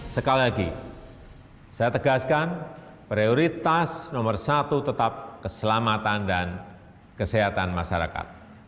sekali lagi saya tegaskan prioritas nomor satu tetap keselamatan dan kesehatan masyarakat